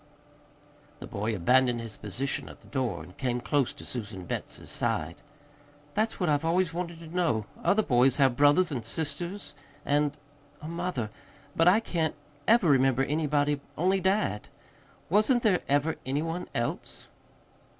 The boy abandoned his position at the door, and came close to Susan Betts's side. "That's what I've always wanted to know. Other boys have brothers and sisters and a mother. But I can't ever remember anybody only dad. Wasn't there ever any one else?"